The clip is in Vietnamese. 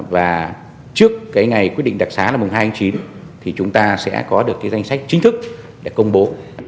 và trước ngày quyết định đặc sá là mùng hai chín thì chúng ta sẽ có được danh sách chính thức để công bố